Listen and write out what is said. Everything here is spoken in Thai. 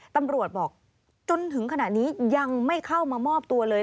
ตำรวจบอกจนถึงขณะนี้ยังไม่เข้ามามอบตัวเลย